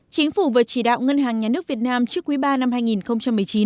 chính phủ vừa chỉ đạo ngân hàng nhà nước việt nam trước quý ba năm hai nghìn một mươi chín